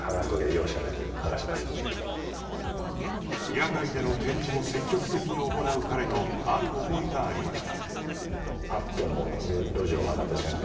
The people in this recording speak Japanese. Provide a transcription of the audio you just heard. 野外での展示も積極的に行う彼のある思いがありました